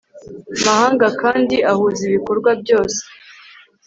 mahanga kandi ahuza ibikorwa byose